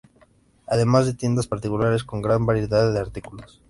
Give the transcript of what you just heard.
Además de tiendas particulares con gran variedad de artículos.